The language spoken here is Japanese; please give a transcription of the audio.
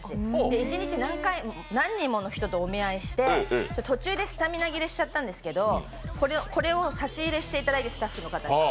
一日何人もの人とお見合いして途中でスタミナ切れしちゃったんですけどこれを差し入れしていただいて、スタッフの方に。